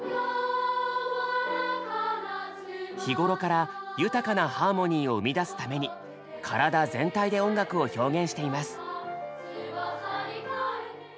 日頃から豊かなハーモニーを生み出すために体全体で音楽を表現しています。